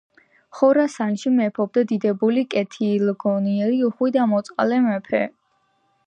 ხორასანში მეფობდა დიდებული, კეთილგონიერი, უხვი და მოწყალე მეფე.